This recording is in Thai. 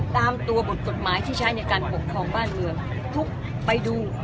ตามตัวบทกฎหมายที่ใช้ในการปกครองบ้านเมืองทุกไปดู